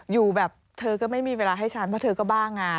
อยู่แบบเธอก็ไม่มีเวลาให้ฉันเพราะเธอก็บ้างา